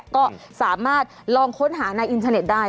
ก็สามารถลองค้นหาในอินเทอร์เน็ตได้